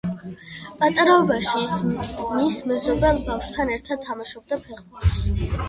პატარაობაში ის მის მეზობელ ბავშვებთან ერთად თამაშობდა ფეხბურთს.